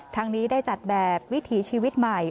ทั้งนี้ได้จัดแบบวิถีชีวิตใหม่